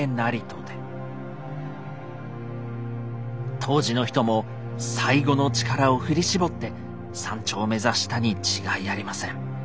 当時の人も最後の力を振り絞って山頂を目指したにちがいありません。